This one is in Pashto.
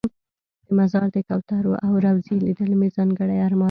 د مزار د کوترو او روضې لیدل مې ځانګړی ارمان و.